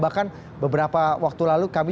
bahkan beberapa waktu lalu kami